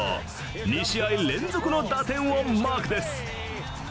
２試合連続の打点をマークです。